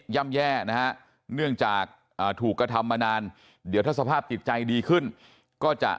่ำแย่นะฮะเนื่องจากถูกกระทำมานานเดี๋ยวถ้าสภาพจิตใจดีขึ้นก็จะ